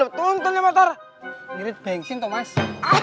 bang bang bang bentar bentar